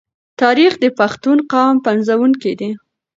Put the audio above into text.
تاریخ د پښتون قام پنځونکی دی.